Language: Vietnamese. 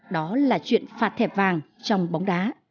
đó là chuyện phạt thẻ vàng trong bóng đá